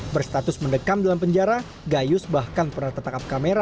berstatus mendekam dalam penjara gayus bahkan pernah tertangkap kamera